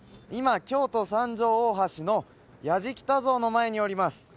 今京都三条大橋の弥次喜多像の前におります